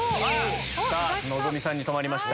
希さんに止まりました。